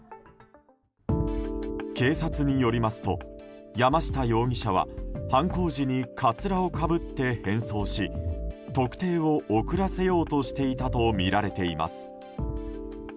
警察によりますと山下容疑者は犯行時にかつらをかぶって変装し特定を遅らせようとしていたとみられています。